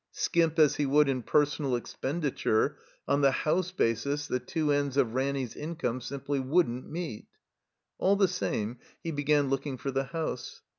Skimp as he would in personal expenditure, on the house basis the two ends of Ranny's income simply wouldn't meet. All the same, he began looking for the house.